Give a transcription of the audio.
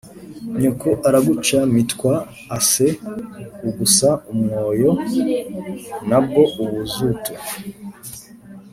nyoko aragacu mitwa ac ugusa umwoyo na bwo ubuzutu